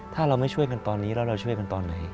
ถ้าเราไม่ช่วยกันตอนนี้แล้วเราช่วยกันตอนไหน